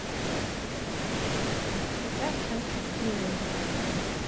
Иҿаԥхьаҵәҟьа сгылан.